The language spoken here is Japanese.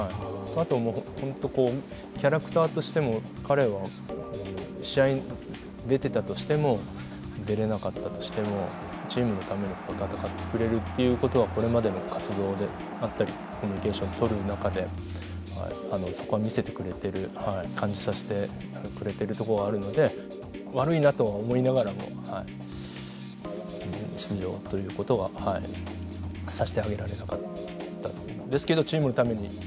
あともう本当キャラクターとしても彼は試合に出てたとしても出られなかったとしてもチームのために戦ってくれるっていう事はこれまでの活動であったりコミュニケーションを取る中でそこは見せてくれてる感じさせてくれてるところはあるので悪いなとは思いながらも出場という事はさせてあげられなかったんですけど。